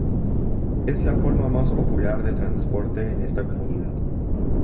Es la forma más popular de transporte en esta comunidad.